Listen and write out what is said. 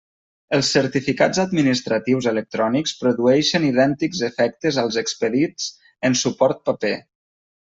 Els certificats administratius electrònics produeixen idèntics efectes als expedits en suport paper.